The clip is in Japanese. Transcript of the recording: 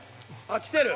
あっ来てる。